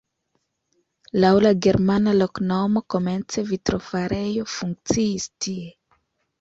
Laŭ la germana loknomo komence vitrofarejo funkciis tie.